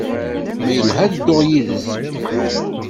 Ma yelḥa, ad dduɣ yid-s.